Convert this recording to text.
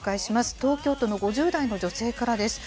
東京都の５０代の女性からです。